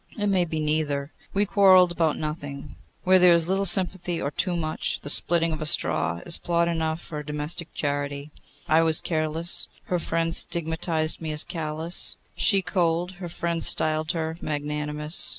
'It may be neither. We quarrelled about nothing. Where there is little sympathy, or too much, the splitting of a straw is plot enough for a domestic tragedy. I was careless, her friends stigmatised me as callous; she cold, her friends styled her magnanimous.